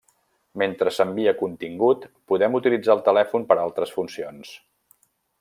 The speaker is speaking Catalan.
Mentre s’envia contingut, podem utilitzar el telèfon per a altres funcions.